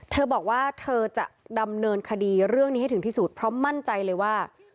เธอบอกว่าเธอจะดำเนินคดีเรื่องนี้ให้ถึงที่สุดเพราะมั่นใจเลยว่า